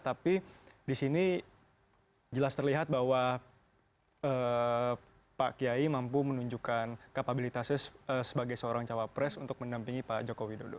tapi di sini jelas terlihat bahwa pak kiai mampu menunjukkan kapabilitasnya sebagai seorang cawapres untuk mendampingi pak jokowi dodo